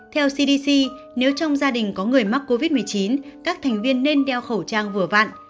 theo cdc nếu trong gia đình có người mắc covid một mươi chín các thành viên nên đeo khẩu trang vừa vạn